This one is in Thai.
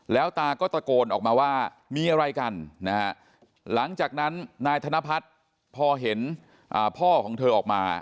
แล้วตาก็ตะโกนออกมาว่ามีอะไรกันนะฮะหลังจากนั้นนายธนพัฒน์พอเห็นพ่อของเธอออกมา